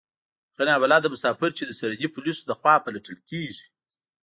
هغه نا بلده مسافر چې د سرحدي پوليسو له خوا پلټل کېږي.